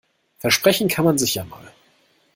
Versprechen kann man sich ja mal.